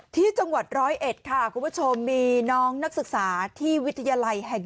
ที่จังหวัดร้อยเอ็ดค่ะคุณผู้ชมมีน้องนักศึกษาที่วิทยาลัยแห่ง๑